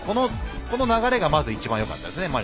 この流れがいちばんよかったですね。